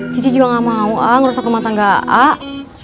cici juga nggak mau ak ngerusak rumah tangga ak